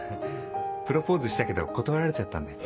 プロポーズしたけど断られちゃったんで。